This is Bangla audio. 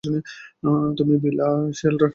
তুমি বিলি শোয়ালটার।